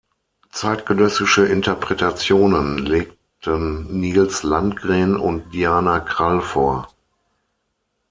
Zeitgenössische Interpretationen legten Nils Landgren und Diana Krall vor.